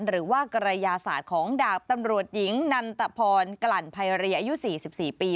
หรือว่ากระยาศาสตร์ของดาบตำรวจหญิงนันตพรกลั่นภัยรีอายุ๔๔ปี